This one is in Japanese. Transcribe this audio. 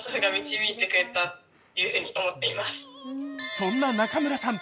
そんな中村さん